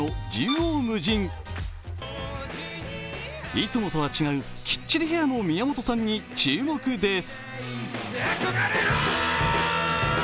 いつもとは違うキッチリヘアの宮本さんに注目です。